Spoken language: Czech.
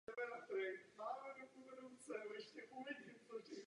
Jeho program obsahuje správné priority.